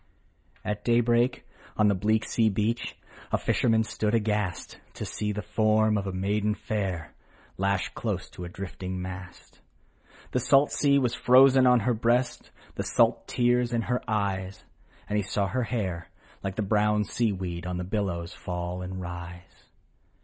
At daybreak, on a bleak sea beach, A fisherman stood aghast, To see the form of a maiden fair, Lashed close to a drifting mast. 148 THE BATTLE OF BLENHEIM The salt sea was frozen on her breast, The salt tears in her eyes ; And he saw her hair, like the brown sea weed, On the billows fall and rise.